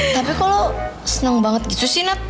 tapi kok lo seneng banget gitu sih nat